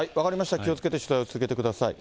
気をつけて取材を続けてください。